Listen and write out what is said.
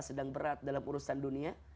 sedang berat dalam urusan dunia